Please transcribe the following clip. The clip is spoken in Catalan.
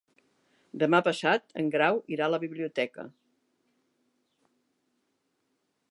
Demà passat en Grau irà a la biblioteca.